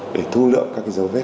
để thu lượng các dấu vết